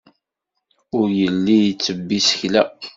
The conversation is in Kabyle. Ur yelli ittebbi isekla.